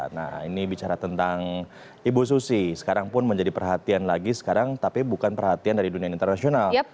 nah ini bicara tentang ibu susi sekarang pun menjadi perhatian lagi sekarang tapi bukan perhatian dari dunia internasional